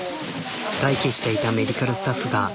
待機していたメディカルスタッフが駆け寄る。